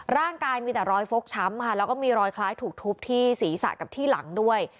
ร่างกายมีแต่รอยฟกช้ำค่ะแล้วก็มีรอยคล้ายถูกทุบที่ศีรษะกับที่หลังด้วย